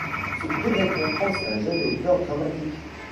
Ce prix récompense un jeune auteur dramatique.